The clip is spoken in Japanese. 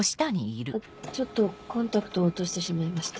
ちょっとコンタクトを落としてしまいまして。